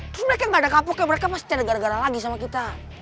terus mereka gak ada kapoknya mereka pasti ada gara gara lagi sama kita